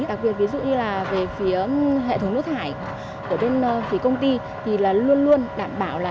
đặc biệt ví dụ như là về phía hệ thống nước thải của bên phía công ty thì là luôn luôn đảm bảo là